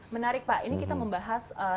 menarik pak ini kita membahas